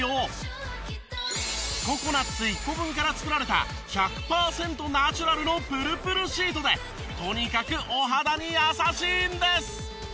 ココナッツ１個分から作られた１００パーセントナチュラルのプルプルシートでとにかくお肌に優しいんです。